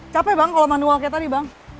capek bang kalau manual kayak tadi bang